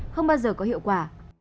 không bao giờ có hiệu quả